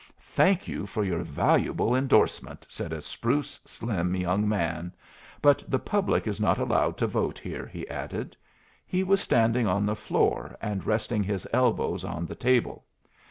"Thank you for your valuable endorsement," said a spruce, slim young man. "But the public is not allowed to vote here," he added. He was standing on the floor and resting his elbows on the table.